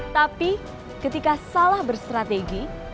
tapi ketika salah berstrategi